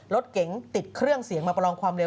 รถเก๋งติดเครื่องเสียงมาประลองความเร็